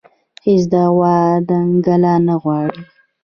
هېڅ دعوا دنګله نه غواړي